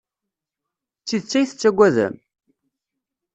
D tidet ay tettaggadem?